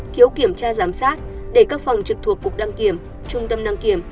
thiếu kiểm tra giám sát để các phòng trực thuộc cục đăng kiểm trung tâm đăng kiểm